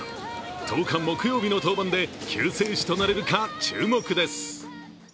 １０日、木曜日の登板で救世主となれるか注目です。